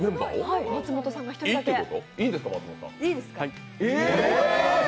いいんですか？